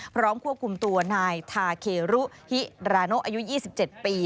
พร้อมควบคุมตัวนายทาเครุฮิราโนอายุ๒๗ปี